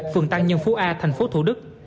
phường tăng nhân phú a tp thủ đức